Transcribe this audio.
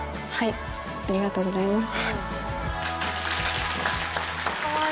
ありがとうございます。